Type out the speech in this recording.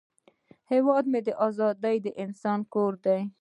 هیواد مې د آزاد انسان کور دی